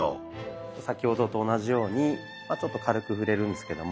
先ほどと同じようにちょっと軽く触れるんですけども。